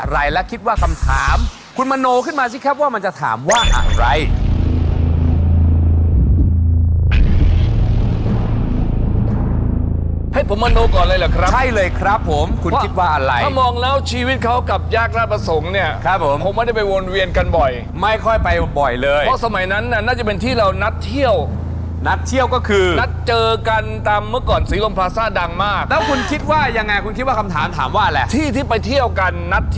ให้ผมมาโน่ก่อนเลยเหรอครับใช่เลยครับผมคุณคิดว่าอะไรถ้ามองแล้วชีวิตเขากับยากล่าประสงค์เนี้ยครับผมผมไม่ได้ไปวนเวียนกันบ่อยไม่ค่อยไปบ่อยเลยเพราะสมัยนั้นน่าจะเป็นที่เรานัดเที่ยวนัดเที่ยวก็คือนัดเจอกันตามเมื่อก่อนสีลมพลาซ่าดังมากแล้วคุณคิดว่ายังไงคุณคิดว่าคำถามถามว่าอะไรที่ที่ไปเที่ยวกันนัดเ